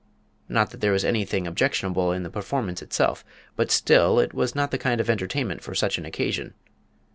Not that there was anything objectionable in the performance itself; but still, it was not the kind of entertainment for such an occasion.